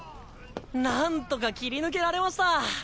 なんとか切り抜けられました。